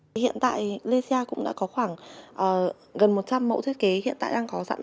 hiện tại lê sia cũng đã có khoảng gần một trăm linh mẫu thiết kế hiện tại đang có sẵn